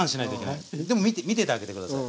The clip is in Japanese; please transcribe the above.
でも見ててあげて下さい。